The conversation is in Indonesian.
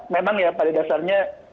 memang ya pada dasarnya